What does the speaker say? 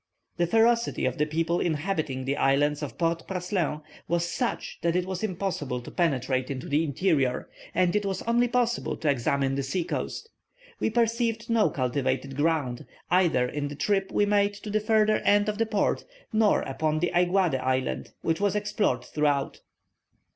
The ferocity of the people inhabiting the islands of Port Praslin was such that it was impossible to penetrate into the interior, and it was only possible to examine the sea coast. We perceived no cultivated ground, either in the trip we made to the further end of the port, nor upon Aiguade Island, which was explored throughout."